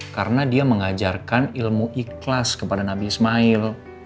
karena dia mengajarkan ilmu ikhlas kepada nabi ismail